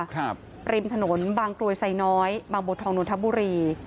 ครับริมถนนบางตุ๋ยไซน้อยบางโบทองนทบุรี